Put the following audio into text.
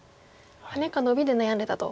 ハネかノビで悩んでたと。